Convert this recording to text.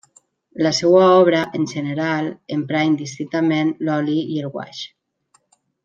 La seva obra, en general, emprà indistintament l'oli i el guaix.